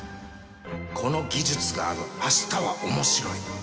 この技術がある明日は面白い